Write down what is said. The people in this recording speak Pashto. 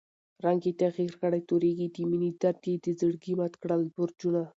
رنګ ئې تغير کړی تورېږي، دمېنی درد ئې دزړګي مات کړل برجونه